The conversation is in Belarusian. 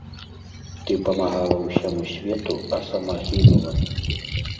Ты памагала ўсяму свету, а сама гінула.